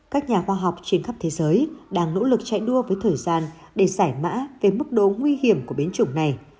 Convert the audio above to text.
các nhà khoa học trên khắp thế giới đang nỗ lực chạy đua với thời gian để giải mã cái mức độ nguy hiểm của biến chủng này